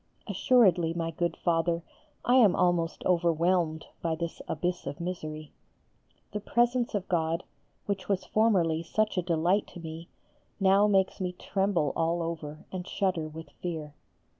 Assuredly, my good Father, I am almost overwhelmed by this abyss of misery. The presence of God, which was formerly such a delight to me, now makes me tremble all over and shudder with fear.